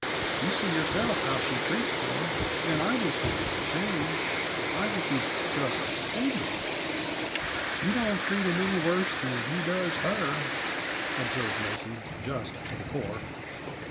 You see yourself how she treats Ford, and I just think it's a shame! I think he's just splendid!" "She don't treat him any worse than he does her," observed Mason, just to the core.